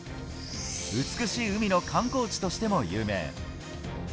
美しい海の観光地としても有名。